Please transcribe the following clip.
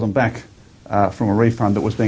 membalas mereka dari refund yang diharapkan